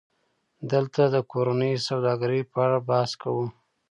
دلته د کورنۍ سوداګرۍ په اړه بحث کوو